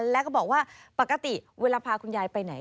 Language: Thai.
แล้วก็บอกว่าปกติเวลาพาคุณยายไปไหน